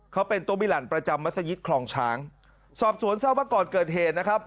เขาเป็นโต๊บิลันประจำมัศยิตคลองช้างสอบสวนเศร้าว่าก่อนเกิดเหตุนะครับ